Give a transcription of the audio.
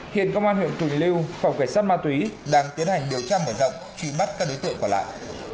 hiện công an huyện quỳnh lưu phòng cảnh sát ma túy đang tiến hành điều tra mở rộng truy bắt các đối tượng còn lại